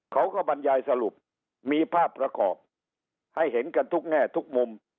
บรรยายสรุปมีภาพประกอบให้เห็นกันทุกแง่ทุกมุม